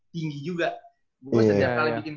tinggi juga gue setiap kali bikin